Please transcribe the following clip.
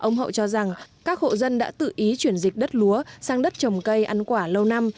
ông hậu cho rằng các hộ dân đã tự ý chuyển dịch đất lúa sang đất trồng cây ăn quả lâu năm